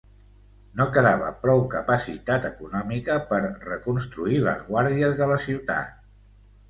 No quedava prou capacitat econòmica per reconstruir les guàrdies de la ciutat.